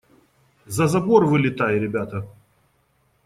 За забор вылетай, ребята!